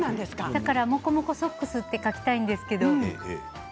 だからもこもこソックスと書きたいんですけれど。